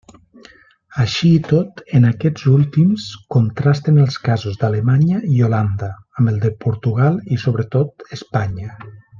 Així i tot, en aquests últims contrasten els casos d'Alemanya i Holanda, amb el de Portugal i, sobretot, Espanya.